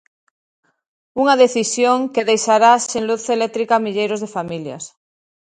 Unha decisión que deixará sen luz eléctrica a milleiros de familias.